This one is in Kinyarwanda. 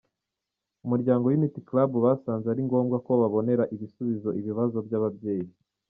Umuryango Unity Club basanze ari ngombwa ko babonera ibisubizo ibibazo by’aba babyeyi.